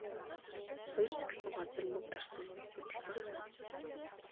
Хоёр ч хэсэг газар мөр дарсан үе судалтан харагдана.